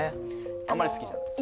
あんまり好きじゃない？